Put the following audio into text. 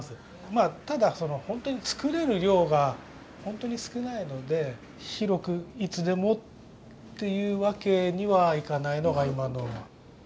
まあただホントに造れる量がホントに少ないので広くいつでもっていうわけにはいかないのが今の。